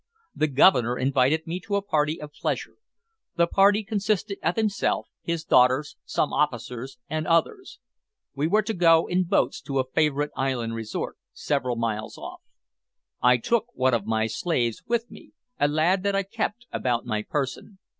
The Governor invited me to a party of pleasure. The party consisted of himself, his daughters, some officers, and others. We were to go in boats to a favourite island resort, several miles off. I took one of my slaves with me, a lad that I kept about my person.